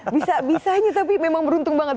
bisa bisanya tapi memang beruntung banget